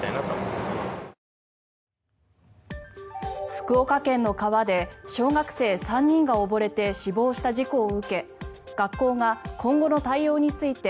福岡県の川で小学生３人が溺れて死亡した事故を受け学校が今後の対応について